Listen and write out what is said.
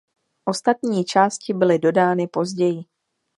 Ostatní části byly dodány později.